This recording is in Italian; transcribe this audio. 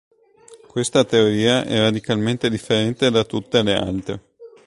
Questa teoria è radicalmente differente da tutte le altre.